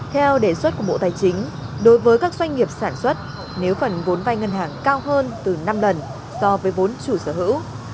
theo đề xuất của bộ tài chính đối với các doanh nghiệp sản xuất nếu phần vốn vai ngân hàng cao hơn từ năm lần so với vốn chủ sở hữu